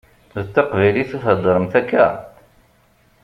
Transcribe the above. D taqbaylit i theddṛemt akka?